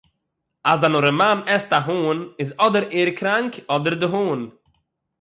אַז אַן אָרעמאַן עסט אַ הון, איז אָדער ער קראַנק אָדער די הון.